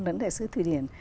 lẫn đại sứ thủy điển